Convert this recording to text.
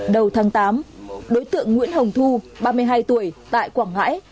đầu tháng tám đối tượng nguyễn hồng thu ba mươi hai tuổi tại quảng ngãi